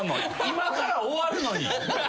今から終わるのに。